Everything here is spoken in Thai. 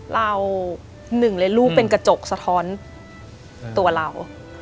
หนึ่งเลยลูกเป็นกระจกสะท้อนตัวเรา